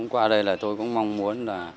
qua đây là tôi cũng mong muốn